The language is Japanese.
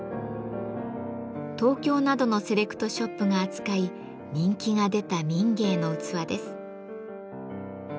東京などのセレクトショップが扱い人気が出た民藝の器です。